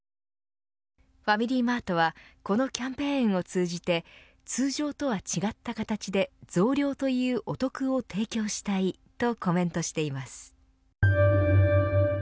ファミリーマートはこのキャンペーンを通じて通常とは違った形で増量というお得を提供したいとコメントしています。